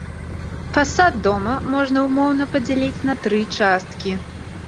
Фасад дома можна ўмоўна падзяліць на тры часткі.